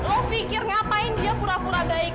lo pikir ngapain dia pura pura baik